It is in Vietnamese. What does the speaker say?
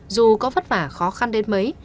dù có vất vả khó khăn đến mấy